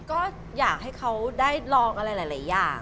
ก็อยากให้เขาได้ลองอะไรหลายอย่าง